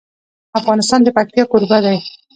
افغانستان د پکتیا کوربه دی.